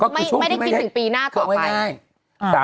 ไม่ได้คิดถึงปีหน้าต่อไป